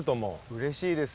うれしいです。